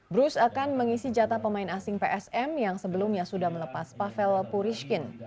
bruce akan mengisi jata pemain asing psm yang sebelumnya sudah melepas pavel purishkin